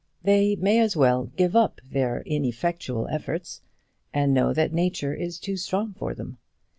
They may as well give up their ineffectual efforts, and know that nature is too strong for them.